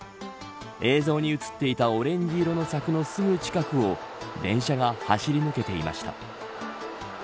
映像に映っていたオレンジ色の柵のすぐ近くを電車が走り抜けていました。